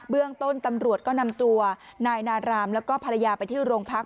เรื่องต้นตำรวจก็นำตัวนายนารามแล้วก็ภรรยาไปที่โรงพัก